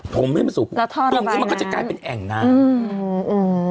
ถมให้มันสูงแล้วท่อระบายน้ำตรงนี้มันก็จะกลายเป็นแอ่งน้ำอืมอืม